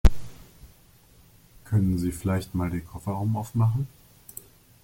Können Sie vielleicht mal den Kofferraum aufmachen?